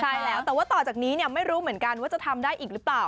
ใช่แล้วแต่ว่าต่อจากนี้ไม่รู้เหมือนกันว่าจะทำได้อีกหรือเปล่า